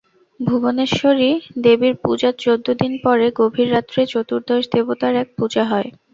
ভুবনেশ্বরী দেবীর পূজার চৌদ্দ দিন পরে গভীর রাত্রে চতুদর্শ দেবতার এক পূজা হয়।